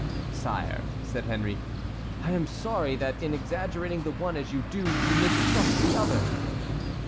"Sire," said Henry, "I am sorry that in exaggerating the one as you do, you mistrust the other."